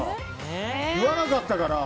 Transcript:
言わなかったから！